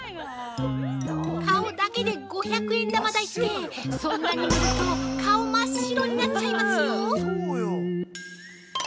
◆顔だけで５００円玉大ってそんなに塗ると顔、真っ白になっちゃいますよ！